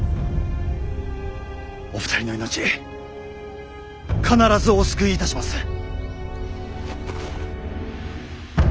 お二人の命必ずお救いいたします。